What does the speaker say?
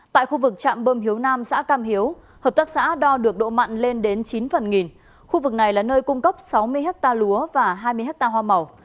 tại khu vực chạm bơm hiếu nam xã cam hiếu hợp tác xã đo được độ mặn lên đến chín phần nghìn khu vực này là nơi cung cấp sáu mươi hectare lúa và hai mươi hectare hoa màu